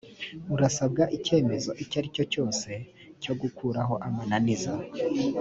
urasabwa icyemezo icyo ari cyo cyose cyo gukuraho amananiza